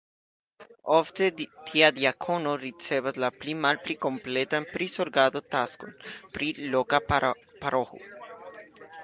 Ofte tia diakono ricevas la pli malpli kompletan prizorgado-taskon pri loka paroĥo.